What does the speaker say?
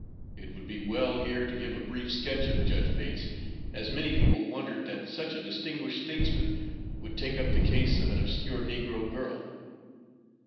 It would be well here to give a brief sketch of Judge Bates, as many people wondered that such a distinguished statesman would take up the case of an obscure negro girl.